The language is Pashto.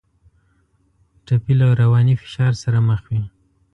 ټپي له رواني فشار سره مخ وي.